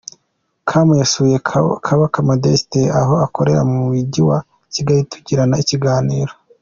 com yasuye Kabaka Modeste aho akorera mu Mujyi wa Kigali tugirana ikiganiro.